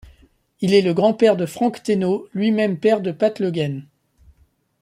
Il est le grand-père de Frank Ténot, lui-même père de Pat Le Guen.